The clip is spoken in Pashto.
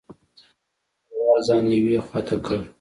هغه په تلوار ځان یوې خوا ته کړ.